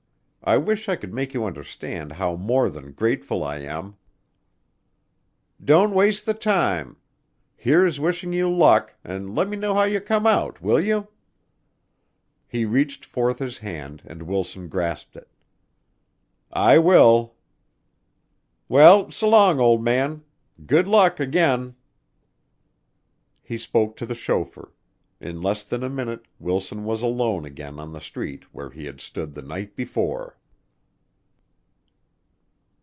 I wish I could make you understand how more than grateful I am." "Don't waste the time. Here's wishing you luck and let me know how you come out, will you?" He reached forth his hand and Wilson grasped it. "I will." "Well, s'long, old man. Good luck again." He spoke to the chauffeur. In less than a minute Wilson was alone again on the street where he had stood the night before.